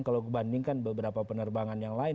kalau dibandingkan beberapa penerbangan yang lain